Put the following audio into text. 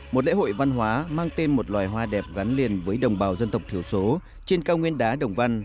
một lễ hội văn hóa mang tên một loài hoa đẹp gắn liền với đồng bào dân tộc thiểu số trên cao nguyên đá đồng văn